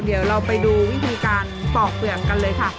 เดี๋ยวเราไปดูวิธีการปอกเปื่อมกันเลยค่ะ